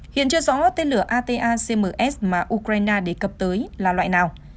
hiện chưa rõ tên lửa ata cms mà ukraine đề cập tới là loại nào